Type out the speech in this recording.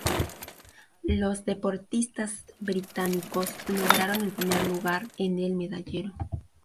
Los deportistas británicos lograron el primer lugar en el medallero.